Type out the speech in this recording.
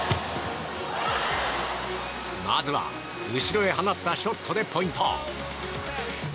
まずは後ろへ放ったショットでポイント。